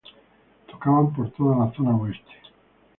Tocaban por toda la zona oeste.